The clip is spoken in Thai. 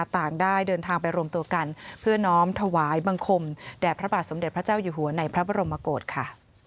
ต่างได้เดินทางไปรวมตัวกันเพื่อน้องถวายบังคมแด่พระบาทสมเด็จพระเจ้าอยู่หัวในพระบรมกฏค่ะ